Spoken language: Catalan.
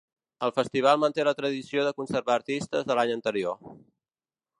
El festival manté la tradició de conservar artistes de l’any anterior.